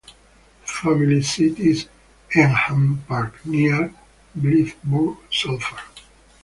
The family seat is Henham Park, near Blythburgh, Suffolk.